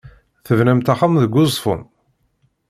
Tebnamt axxam deg Uzeffun?